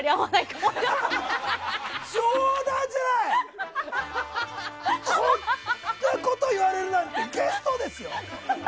こんなこと言われるなんてゲストですよ！